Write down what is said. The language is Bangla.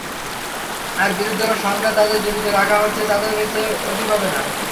আর বৃদ্ধরা সংখ্যায় যাদের জীবিত রাখা হচ্ছে, তাদের চেয়ে অধিক হবে না।